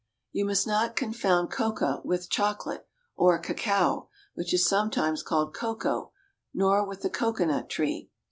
You must not confound coca with chocolate, or cacao, which is sometimes called cocoa, nor with the cocoanut tree.